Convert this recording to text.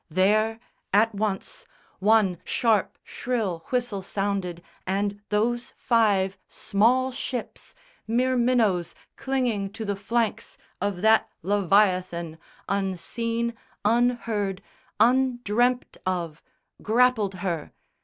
There at once One sharp shrill whistle sounded, and those five Small ships, mere minnows clinging to the flanks Of that Leviathan, unseen, unheard, Undreamt of, grappled her.